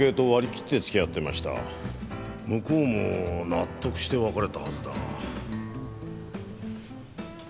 向こうも納得して別れたはずだが。